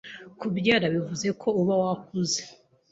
kubyara bivuze ko uba wakuze